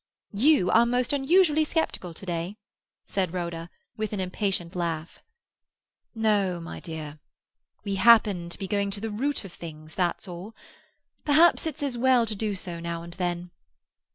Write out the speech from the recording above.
"You are most unusually sceptical to day," said Rhoda, with an impatient laugh. "No, my dear. We happen to be going to the root of things, that's all. Perhaps it's as well to do so now and then.